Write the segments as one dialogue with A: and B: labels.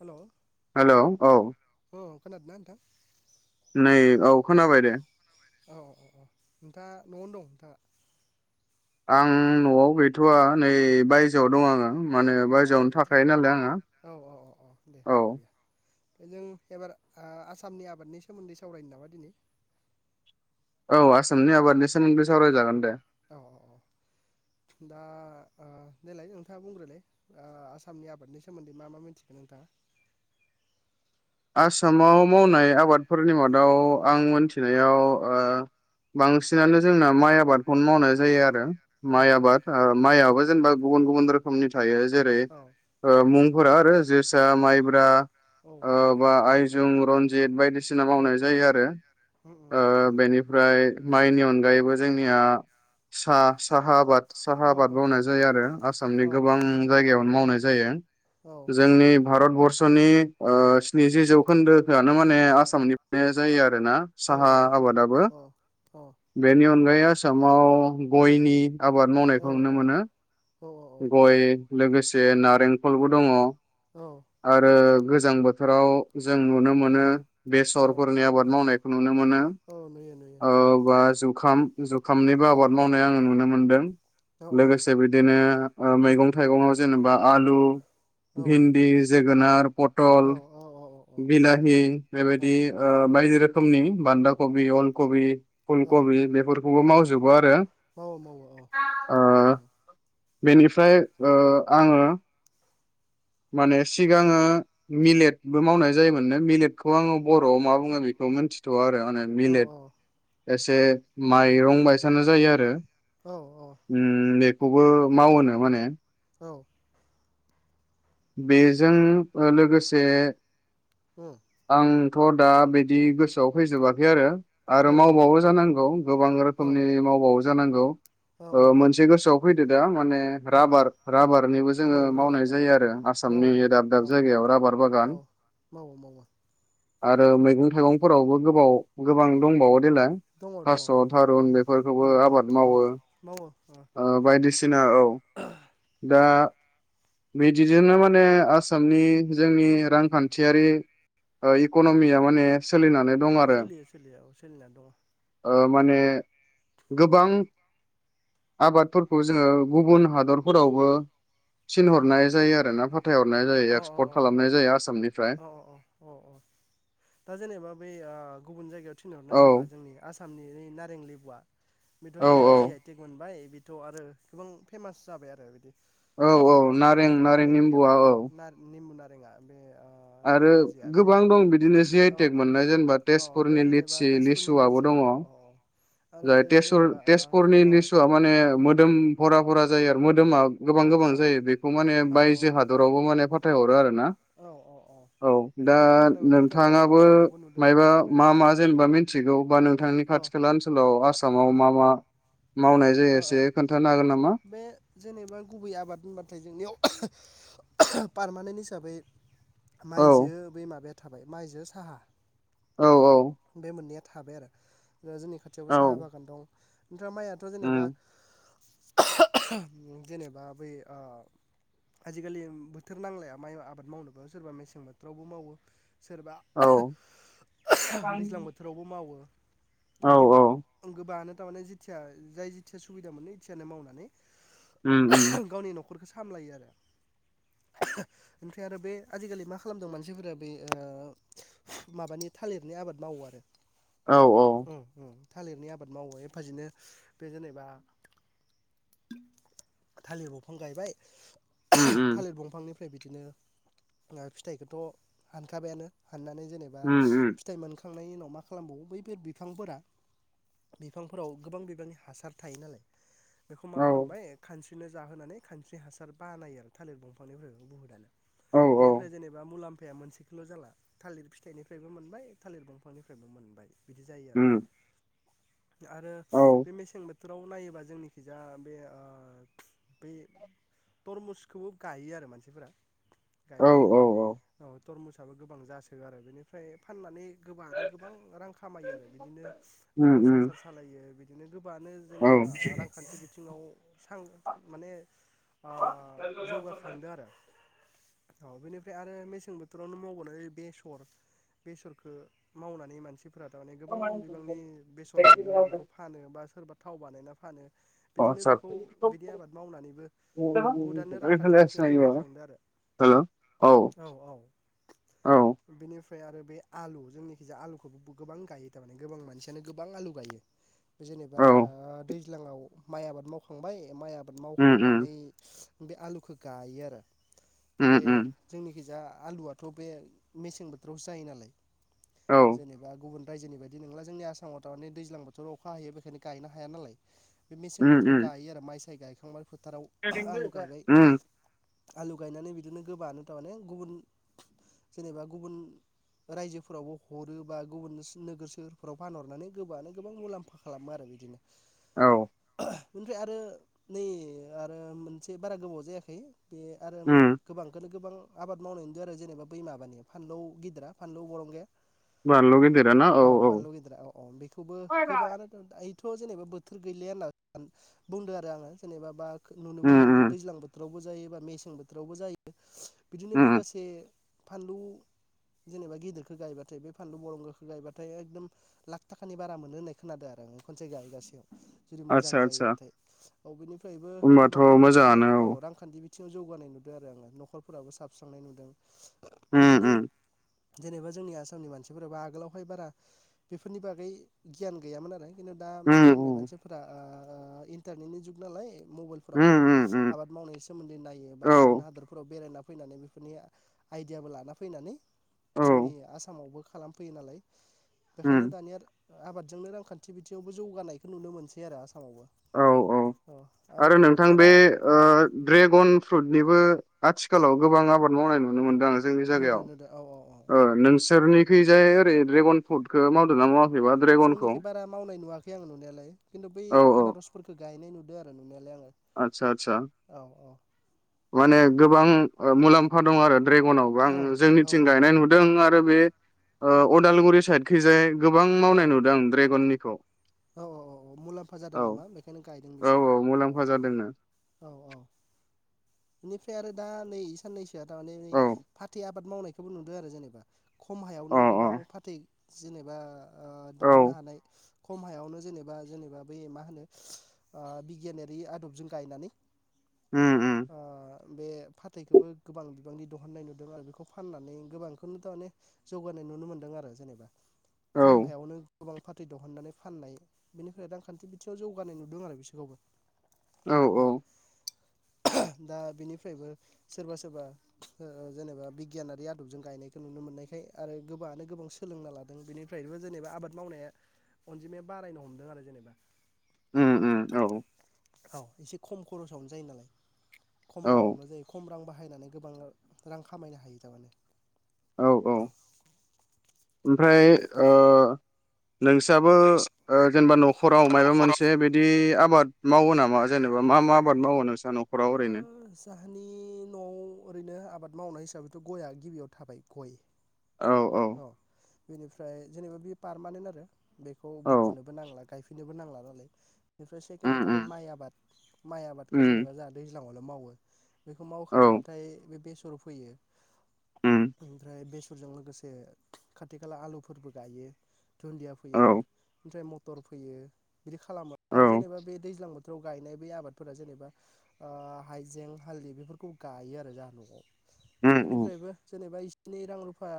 A: हेल'
B: hello औ
A: औ खोनादोंना नोंथां?
B: नै औ खोनाबाय दे
A: औ औ औ औ नोंथाङा न'आवनो दं नोंथाआ?
B: आं नआव गैथवा नै बायजोआव दं आङो। माने
A: अ दे
B: बायजोआवनो थाखायो
A: थिगानो दे
B: नालाय आङो
A: औ औ औ औ दे जों एबार आसामनि आबादनि सोमोन्दै सावरायनो नामा दिनै-
B: औ आसामनि आबादनि सोमोन्दै सावरायजागोन दे
A: औ औ औ दा देलाय नोंथाङा बुंग्रोलै आसामनि आबादनि सोमोन्दै मा मा मिथिगोन नोंथाङा?
B: आसामाव मावनाय आबादफोरनि मादाव
A: औ
B: आं
A: औ
B: मोनथिनायाव बांसिनानो जोंना माइ आबादखौनो मावनाय जायो आरो
A: औ
B: माइ
A: औ
B: आबाद माइयाबो जेनेबा-
A: गुबुन
B: गुबुन गुबुन रोखोमनि थायो। जेरै
A: औ
B: ओ
A: औ उम औ
B: मुं फोरा आरो जोसा माइब्रा ओ बा आयस जों रनजित बाय बायदिसिना मावनाय जायो आरो ओ बेनिफ्राय माइनि अनगायैबो जोंनिया सा साहा आबाद। साहा आबाद मावनाय जायो आरो आसामनि गोबां जायगायाव। मावनाय जायो। जोंनि भारतबर्स सनि ओ स्निजि जौखोन्दोखौआनो माने आसामनिफ्राय जायो आरो। आरोना साहा आबादाबो बेनि अनगायै आसामाव गयनि आबाद मावनायखौ नुनो मोनो
A: औ
B: गय लोगोसे लोगोसे नारेंखलबो दङ।
A: औ
B: आरो गोजां बोथोराव जों नुनो मोनो
A: औ
B: बेसरफोरनि आबाद मावनायखौ। नुनो मोनो
A: नुयो नुयो
B: ओ बा जुखाम। जुखामनिबो
A: औ
B: आबाद मावनाय आङो नुनो मोन
A: औ
B: [unintelligible] लोगोसे बिदिनो ओ मैगं थाइगंआव जेनेबा आलु
A: औ
B: भिन्दि जो [unintelligible] पटल
A: औ
B: बिलाहि बेबायदि बाइदि रोख रोखनि बान्दा कबि, अल कबि, फुल
A: औ
B: कबि बेफोरखौबो
A: औ औ
B: मावजोबो आरो।
A: मावो मावो औ
B: ओ बेनिफ्राय ओ आङो माने सिगाङो मिलेटबो मावनाय जायोमोननो मिलेटखौ आङो बर'आव मा बुङो बेखौ मोनथिथ'वा आरो आं। माने
A: औ
B: मिलेट एसे माइरं बायसानो जायो आरो।
A: औ
B: उम ए खौबो मावोनो माने
A: औ
B: बेजों ओ लोगोसे आं थ' दा बिदि गोसोआव फैजोबाखै आरो आरो मावबावो जानांगौ गोबां
A: औ
B: रोखोमनि मावबावो जानांगौ।
A: औ
B: ओ मोनसे गोसोआव फैदो दा माने
A: औ
B: राबार राबारनिबो जोङो
A: औ राबार
B: मावनाय
A: राबार
B: जायो
A: औ
B: आरो
A: मावो
B: [unintelligible]
A: मावो
B: दाब दाब
A: औ
B: जायगायाव राबार
A: औ
B: बागान
A: मावो मावो
B: आरो मैगं थाइगंफोरावबो गोबाव गोबां दंबावो देला
A: दङ दङ
B: थास'
A: औ
B: थारुन बेफोरखौबो
A: औ औ
B: आबाद
A: औ
B: मावो ओ
A: मावो ओ
B: बायदिसिना औ दा बिदि बिदिनो माने आसामनि जोंनि रांखान्थियारि ओ इक'न'मिया माने सोलिनानै दं आरो
A: सोलियो सोलियो औ सोलिनानै दङ'।
B: ओ माने गोबां आबादफोरखौ जोङो गुबुन हादरफोरावबो
A: उम
B: थिनहरनाय जायो फाथायहरनाय
A: अ
B: जायो एक्सपर्ट
A: अ अ
B: खालामनाय जायो आसामनि फ्राय
A: अ अ अ अ दा जेनेबा बै आ गुबुन जायगायाव थिनहरनाय
B: औ
A: होनबा जोंनि आसाम सामनि ओइ नारें लेबुआ बेथ'
B: औ
A: जेनेबा जि आइ
B: औ
A: टेग मोनबाय बि थ' आरो गोबां फेमास जाबाय आरो बिदि।
B: औ औ
A: जेनेबा गुबुन
B: नारें
A: हादराव
B: नारें
A: आमेरिकायाव
B: निम्बुआ
A: अ
B: औ
A: नार नेमुना नारेङा बे ओ
B: आरो
A: नारें खाजिया
B: गो
A: बे
B: बां दं बिदिनो जि आइ
A: औ
B: टेग मोननाय जेनेबा
A: औ बे
B: तेजपुरनि
A: जेनेबा
B: लिटसि
A: तेजपुरनि
B: लिसुआबो
A: लिसि
B: दङ'।
A: औ औ औ आरो
B: जाय
A: बे
B: तेजपुर
A: जेनेबा ओ
B: तेजपुरनि
A: औ
B: लिसुआ माने मोदोम उम भरा भरा जायो आरो मो दोमा गोबां
A: औ
B: गोबां
A: औ
B: जायो बेखौ माने
A: औ
B: बायजो
A: औ
B: हादरावबो माने फाथायहरो आरोना।
A: औ औ
B: औ दा
A: बेखौ खोनानो मोनबाय थादों आरो
B: नोंथाङाबो
A: निउसफोरावबो नुदों
B: मायबा
A: औ
B: मा मा जेनेबा मिथिगौ बा नोंथांनि
A: औ ओ
B: खाथि खाला ओनसोलाव आसाम मा मा मावनाय जायो
A: ओ ओ
B: एसे खोन्थानो हागोन नामा?
A: बे जेनेबा गुबै आबाद होनबाथाय जोंनियाव पारमानेन्ट हिसाबै
B: औ
A: माइजो बै माबाया थाबाय माइजो साहा।
B: औ औ।
A: बे मोननैया। थाबाय आरो। दा जोंनि खाथियावबो
B: औ
A: साहा बागान दं। ओमफ्राय माइआथ' जेनेबा
B: उम
A: [unintelligible] जेनेबा बै ओ आजिखालि बोथोर नांलाया माइ आबाद मावनोबो सोरबा मेसें बोथोरावबो मावो। सोरबा
B: औ
A: [unintelligible] दैज्लां बोथोरावबो मावो।
B: औ
A: बिदि
B: औ
A: गोबाङानो थारमाने जिथिया जाय जिथिया सुबिदा मोनो एथियानो मावनानै।
B: उम उम।
A: खरखौ सामलायो आरो ओमफ्राय आरो बे आजिखालि मा खालामदों मानसिफोरा बे ओ माबानि थालिरनि आबाद मावो आरो।
B: औ औ।
A: उम उम थालिरनि आबाद मावो एफाजिनो बे जेनेबा थालिर दफां गायबाय।
B: उम उम
A: थालिर दंफांनि फ्राय बिदिनो फिथाइखौथ' हानखाबायानो। हाननानै जेनेबा
B: उम उम
A: फिथाइ मोन खांनायनि उनाव मा खालामबावो बैफोर बिफांफोरा बिफांफोराव गोबां बिफांनि हासार थायो नालाय। बेखौ मा
B: औ
A: खालामबाय खान बिसोरनो जाहोनानै खानस्रि हासार बानायो आरो थालिर दंफांनिफ्राय
B: औ
A: [unintelligible]
B: औ
A: बेनिफ्राय जेनेबा मुला फाया मोनसेखौल जाला थालिर फिथाइनिफ्रायबो मोनबाय। थालिर दंफांनिफ्रायबो मोनबाय। बिदि जायो आरो।
B: उम
A: आरो
B: औ
A: बे मेंसें बो थोराव नायोबा जोंनिखिजा बे ओ बे थरमुसखौबो गायो आरो मानसिफोरा। गायनायालाय औ। थरमुसाबो गोबां जासो गारो बेनिफ्राय फाननानै गोबां आरो गोबां रां खामायो आरो बिदिनो
B: उम
A: नखर
B: उम
A: संसार सालायो बिदिनो गोबाङानो
B: औ
A: जेनेबा रांखान्थि बिथिङाव माने ओ जौगाखांदों आरो। औ बेनिफ्राय आरो मेसें बोथोरावनो मावबोनाय‌ बेसर बेसर खो मावनानै मानसि फोरा थारमाने गोबां बिबांनि बेसर मोनो बेखौ फानो बा सोरबा थाव बानायना फानो।
B: अ
A: बिदिनो
B: आतसा
A: बेखौ बिनि आबाद मावनानैबो
B: हेल'
A: बहुतानो रांखान्थि बिथिंङाव
B: औ
A: जौगाखांदों आरो
B: औ
A: औ औ बिनिफ्राय ओमफ्राय आरो बे आलु जोंनिखिजाया आलुखौबो गोबां गायो थारमाने गोबां मानसियानो गोबां आलु गायो। जेनेबा दै दैज्लाङाव माइ आबाद मावखांबाय माइ आबाद आबाद
B: उम उम
A: मावखांनानै बे आलुखौ गायो आरो।
B: उम
A: बे
B: उम
A: जोंनिखैजा आलुआथ बे मेसें बोथोरावसो जायो नालाय।
B: औ
A: जेनेबा गुबुन रायजोनि बायदि नंला जोंनि आसामाव थारमानानि दैज्लां बोथोराव अखा हायो बेखायनो गायनो हाया नालाय। बे मेसें
B: उम
A: बोराव
B: उम
A: गायो आरो माइ गाय खांबा फोथाराव आलु गायबाय।
B: उम
A: आलु गायनानै बिदिनो गोबानो थारमाने गुबुन जेनेबा गुबुन रायजोफोरावबो हरो बा गुबुन नोगोर सोहोरफोराव फानहरनानै गोबांङानो गोबां मुलाम्फा खालामो आरो बिदिनो।
B: औ
A: बेनिफ्राय आरो नै आरो मोनसे बारा गोबाव जायाखै। बे आरो
B: उम
A: गोबांखौनो गोबां आबाद मावनायनि दारै जेनेबा बै माबानि फानलौ गिदिरा फानलौ बरबगाया
B: बानलु गेदेरा ना
A: औ बानलु गेदिरा औ औ बेखौबो गोबाङानो [unintelligible] थ' जेनेबा बोथोर गैलिया होनना बुंदों आरो आङो जेनेबा बा
B: उम
A: नुनोबो मोनदों दैज्लां बोथोरावबो जों जायोबा मेसें बोथोरावबो जायो। बिदिनो
B: उम
A: बिगासे फानलौ जेनेबा गिदिरखौ गायबाथाय बे फानलु बरंगाखौ गायबाथाय एकदम लाख थाखानि बारा मोनो होननाय खोनादों आरो आं खनसे गायगासेयाव। जुदि मोजां
B: आतसा आतसा
A: जायोबाथाय। [unintelligible] बिबो
B: होनबाथ'
A: गोबांखौनो जानो
B: मोजाङानो
A: औ रांखान्थि थियाव जौगानाय नुदों आरो आङो न'खरफोराबो साबस्रांनाय नुदों
B: उम
A: बिदिनो
B: उम।
A: जेनेबा जोंनि आसामनि मानसिफोराबो आगोलावहाय बारा बेफोरनि बागै गियान गैयामोन आरो। खिन्थु दा मा
B: उम
A: खालामबाय मानसिफोरा ओ ओ इन्टारनेटनि जुगनालाय मबाइलफोरावबो
B: उम उम उम
A: आबाद मावनायनि सोमोन्दै नायो बा
B: औ
A: गुबुन हादोरफोराव बेरायना फैनानै बेफोरनि आइडियाबो लाना फैनानै
B: औ
A: जोंनि आसामावबो खालामफैयो नालाय बेखायनो
B: उम
A: दानिया आबादजोंनो रांखान्थि बिथिङावबो जौगानायखौ नुनो मोनसै आरो आस
B: औ औ आरो नोंथां बे ओ
A: औ
B: ड्रेगन फ्रुटनिबो आथिखालाव गोबां आबाद मावनाय नुनो मोनदों आं जोंनि
A: नुदों
B: जायगायाव
A: नुदों औ औ औ।
B: ओ नोंसोरनिखैजाय ओरै ड्रेगन फ्रुटखौ मावदोंना मावा
A: जोंनिखि बारा मावनाय नुवाखै आं नुनायालाय खिन्थु बै
B: औ
A: आनारसफोरखो गायनाय नुदों आरो नुनायालाय आङो।
B: आतसा आतसा।
A: औ
B: माने गोबां ओ मुलाम्फा दं आरो ड्रेगनावबो आं
A: औ औ
B: जोंनिथिं
A: औ
B: गायनाय नुदों आ बे ओ अदालगुरि साइदखैजाय गोबां
A: औ
B: मावनाय नुदों ड्रेगननि खौ
A: औ औ औ औ मुलाम्फा जादों नामा बेखायनो गायदों
B: औ
A: बिसोरो औ।
B: मुलाम्फा जादोंनो
A: औ औ। बिनिफ्राय आरो दा नै साननैसो दानेै
B: औ
A: फाथै आ बाद मावनायखौबो नुदो आरो जेनेबा खम
B: अ
A: हायावनो गोबां फाथै जिनोबा ओह
B: औ
A: दहननो हानाय। आवनो जेनेबा जेनेबा बै मा होनो ओ बिगियानारि आदबजों गायनानै
B: उम उम।
A: ओ बे फाथैखौबो गोबां बिबांनि दहननाय नुदों आरो बेखौ फाननानै गोबांखोनोथ' माने जौगानाय नुनो मोनदों आरो जेनेबा।
B: औ
A: खम हायावनो गोबां फाथै दहननानै फाननाय बेनिफ्राय रांखान्थि बिथिङाव जौगानाय नुदों आरो बिसोरखौबो।
B: औ
A: अ
B: औ
A: [unintelligible] दा बिनिफ्रायबो सोरबा सोरबा ओ जेनेबा बिगियानारि आदबजों गायनायखौ नुनो मोननायखाय आरो गोबाङानो गोबां सोलोंना लादों बेनिफ्रायबो जेनेबा आबाद मावनाया अनजिमाया बारायनो हमदों आरो जेनेबा
B: उम उम औ
A: औ एसे खम खरसावनो जायो नालाय खम
B: औ
A: रांआवनो जायो खम रां बा हायनानै गोबां रां रां खामायनो हायो थारमाने
B: औ औ ओमफ्राय ओ नोंसोआबो ओ जेनेबा न'खराव माइबा मोनसे बिदि आब बाद मावो नामा जेनेबा मा मा आबाद मावो नोंस
A: ओ जाहानि न' ओरैनो आबाद मावनाय हिसाबैथ' गयआ गिबियाव थाबाय गय
B: औ औ
A: बिनिफ्राय जेनेबा बियो पारमानेन्ट आरो बेखौ
B: औ
A: बुखुनोबो नांला गायफिन नोबो नांला नालाय बेनिफ्राय
B: उम
A: सेकेण्डआव थाबाय
B: उम
A: माइ आबाद माइ आबादखौ
B: उम
A: जेनेबा जा दैज न'आवल मावो। बेखौ
B: औ
A: मावखांबाथाय बे बेस फोर फैयो।
B: उम
A: ओमफ्राय बेस फोरजों लोगोस जे खाथि खाला आलुफोरबो गायो दुन्दिया फोयो
B: औ
A: ओमफ्राय मटर फोयो। बिदि खालामो
B: औ
A: आरो
B: उम
A: जेनेबा बे दैज्लां बोथ फ्राव गायनाय बै आबादफोरा जेनेबा ओ हाइजें हालदै बेफोरखौ गायो आरो जाहा न'आव।
B: उम
A: बेनिफ्रायबो जेनेबा इस स्नि रां रुफा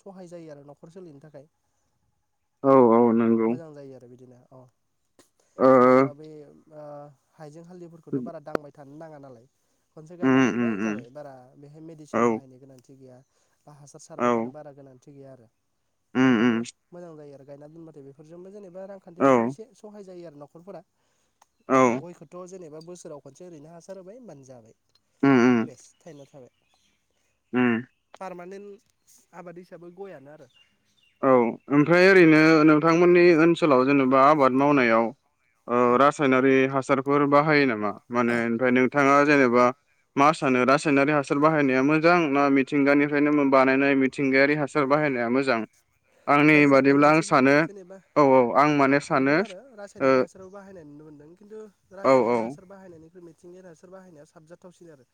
A: सहाय जायो आरो न'खर सोलिनो थाखाय औ मोजां जायो आरो बिदिनो अ जेनेबा
B: ओ
A: बेैम ओ हाइजें हालदैफोरखौथ'
B: उम
A: बारा दांबाय थान नाङा नालाय खनसे गायना
B: उम
A: दोनबाय
B: उम
A: जाबाय बारा बेहाय
B: औ
A: मेदिसिन बाहायनो गोनांथि गैया बा हासार
B: औ
A: सारबाय थानो बारा [unintelligible] गैया आरो
B: उम
A: बेखायनो
B: उम
A: मोजां जायो आरो गायना दोनबाथाय बेफोरजोंबो जेनेबा बा
B: औ
A: रांखान्थि [unintelligible] एसे सहाय जायो आरो न'खरफोरा।
B: औ
A: ओम गयखौथ' जेनेबा बोसोराव खनसे ओरैनो हासार होबाय होमबानो जाबाय
B: उम उम
A: बेस थाइना थाबाय।
B: उम
A: पारमानेन्ट आबाद हिसाबै गयानो आरो
B: औ ओमफ्राय
A: उम
B: ओरैनो नोंथांमोननि ओनसोलाव जेनेबा आबाद मावनायाव औ रासायनारि हासार फोर बाहायो नामा? माने ओमफ्राय नोंथाङा जेनेबा मा सानो रासायनारि हासार बाहायनाया मोजां ना मिथिंगानिफ्रायनो मो बानायनाय मिथिंगायारि हासार बाहायनाया मोजां आंनि
A: दा जेनेबा
B: बादिब्ला आं
A: मानसि
B: सानो
A: जेनेबा
B: औ औ आं माने सानो
A: नुदों आरो
B: ओ
A: रासायनिक हासारबो बाहायनाय नुनो मोनदों खिन्थु
B: औ
A: रासायनिक हासार बाहायनायनिख्रुइ मिथिंगियारि हासार बाहायनाया साबजाथावसिन आरो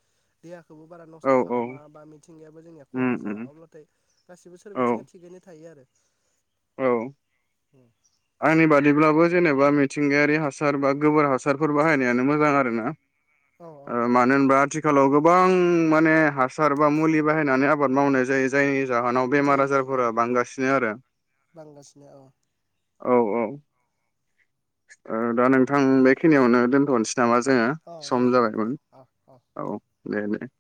A: देहा खौबो बारा
B: औ औ
A: नस्थ'
B: औ
A: खालामा बा मिथिंगायाबो जोंनिया
B: उम
A: खहा
B: उम
A: जाया अब्लाथाय गासिबो सोर
B: औ
A: बिथिङा थिगैनो थायो आरो
B: औ आंनि बादिब्लाबो जेनेबा मिथिंगायारि हासार बा गोबोर हासारफोर बाहायनायानो मोजां आरो ना।
A: औ औ
B: ओ
A: औ
B: मानो होनबा आथि खालाव गोबां माने हासार बा मुलि बाहायनानै आबाद मावनाय जायो जायनि जाहोनाव
A: जायो
B: बेमार
A: जायो औ
B: आजारफोरा बांगासिनो आरो
A: बांगासिनो औ।
B: औ औ। ओ दा नोंथां बेखिनियावनो दोनथ'नोसै नाबा जोङो
A: औ दे
B: सम
A: दे दे
B: जाबायमोन
A: औ
B: औ दे दे